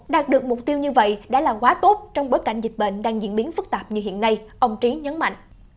đạt được mục tiêu như vậy đã là quá tốt trong bối cảnh dịch bệnh đang diễn biến phức tạp như hiện nay ông trí nhấn mạnh